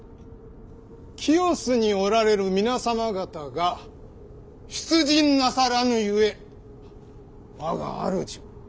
清須におられる皆様方が出陣なさらぬゆえ我が主も出陣できぬと。